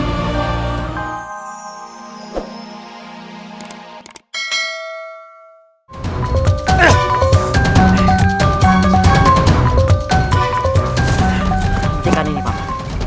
hentikan ini pak mak